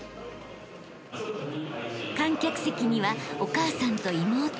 ［観客席にはお母さんと妹］